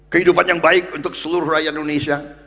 kehidupan yang baik untuk seluruh rakyat indonesia